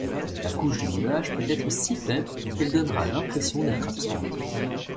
La couche de nuages peut être si faible qu'elle donnera l'impression d'être absente.